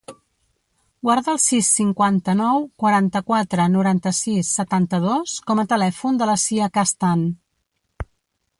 Guarda el sis, cinquanta-nou, quaranta-quatre, noranta-sis, setanta-dos com a telèfon de la Sia Castan.